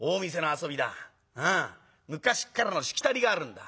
昔っからのしきたりがあるんだ。